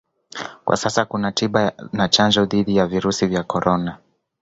Kwa sasa kuna tiba na chanjo dhidi ya virusi vya Corona